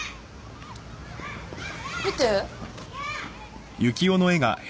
見て。